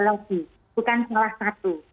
ada lagi bukan salah satu